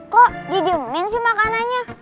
kok didiemin sih makanannya